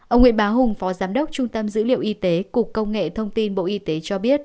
ông nguyễn bá hùng phó giám đốc trung tâm dữ liệu y tế cục công nghệ thông tin bộ y tế cho biết